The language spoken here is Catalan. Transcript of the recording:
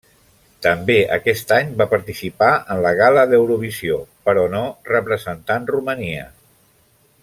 També aquest any va participar en la Gala d'Eurovisió, però no representant Romania.